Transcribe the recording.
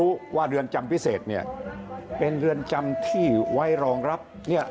ว่าเรือนจำพิเศษเนี่ยเป็นเรือนจำที่ไว้รองรับเนี่ย